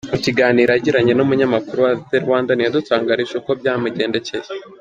Mu kiganiro yagiranye n’umunyamakuru wa The Rwandan yadutangarije uko byamugendekeye.